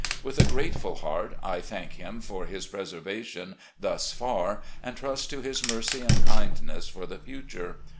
With a grateful heart I thank Him for His preservation thus far, and trust to His mercy and kindness for the future.